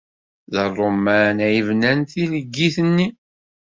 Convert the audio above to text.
D Ṛṛuman ay yebnan tileggit-nni.